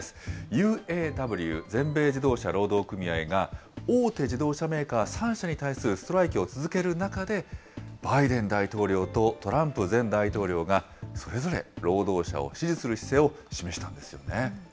ＵＡＷ・全米自動車労働組合が、大手自動車メーカー３社に対するストライキを続ける中で、バイデン大統領とトランプ前大統領が、それぞれ労働者を支持する姿勢を示したんですよね。